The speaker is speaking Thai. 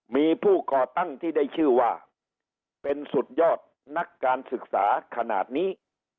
มีผู้ก่อตั้งที่ได้ชื่อว่าเป็นสุดยอดนักการศึกษาขนาดนี้